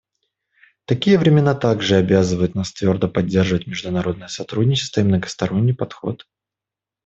Такие времена также обязывают нас твердо поддерживать международное сотрудничество и многосторонний подход.